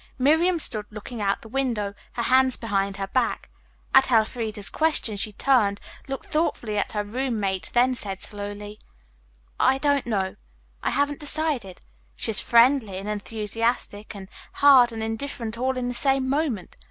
Miriam stood looking out the window, her hands behind her back. At Elfreda's question she turned, looked thoughtfully at her roommate, then said slowly: "I don't know. I haven't decided. She's friendly and enthusiastic and hard and indifferent all in the same moment.